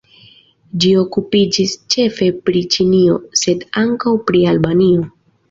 Ĝi okupiĝis ĉefe pri Ĉinio, sed ankaŭ pri Albanio.